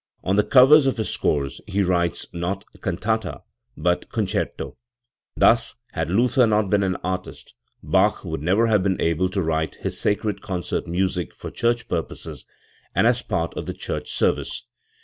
On the covers of his scores he writes, not "cantata 1 *, but "concerto". Thus had Luther not been an artist, Bach would never have been able to write his sacred concert music for church purposes and as part of the church service.